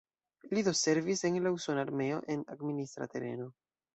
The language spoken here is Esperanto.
Li do servis en la usona armeo en administra tereno.